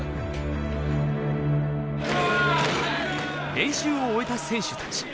練習を終えた選手たち。